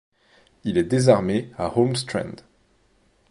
Il est désarmé à Holmestrand.